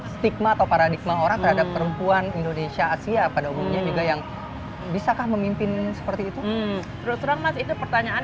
stigma atau paradigma orang terhadap perempuan indonesia asia pada umumnya juga yang